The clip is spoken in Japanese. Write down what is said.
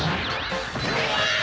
うわ！